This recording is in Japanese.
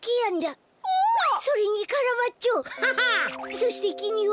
そしてきみは。